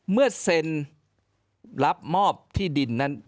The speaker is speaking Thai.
เมื่อเซ็นรับมอบที่ดินนั้น